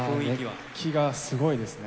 熱気がすごいですね。